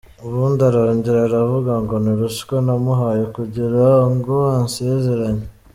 Ubundi arongera aravuga ngo ni ruswa namuhaye kugirango ansezeranye.